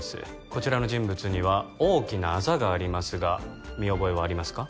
こちらの人物には大きなアザがありますが見覚えはありますか？